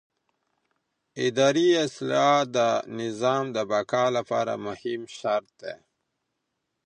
اداري اصلاح د نظام د بقا لپاره مهم شرط دی